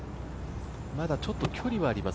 まだちょっと距離はあります